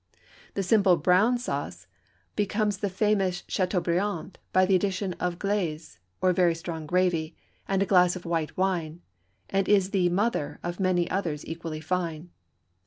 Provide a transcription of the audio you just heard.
The simple brown sauce becomes the famous Châteaubriand by the addition of glaze (or very strong gravy) and a glass of white wine, and is the "mother" of many others equally fine.